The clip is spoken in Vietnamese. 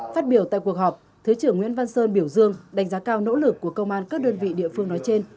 phát biểu tại cuộc họp thứ trưởng nguyễn văn sơn biểu dương đánh giá cao nỗ lực của công an các đơn vị địa phương nói trên